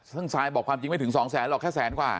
ซึ่งซายบอกความจริงไม่ถึงสองแสนหรอกแค่แสนกว่า